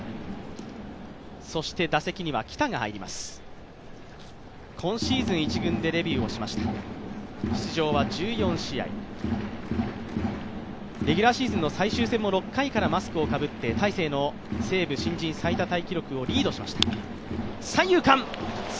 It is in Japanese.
打席には喜多、今シーズン１軍でデビューしました出場は１４試合、レギュラーシーズンの最終戦も６回からマスクをかぶって、大勢のセーブ新人タイ記録をリードしました。